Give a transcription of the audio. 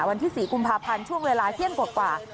วันที่๔กุมภาพันธ์ช่วงเวลาเที่ยงกว่า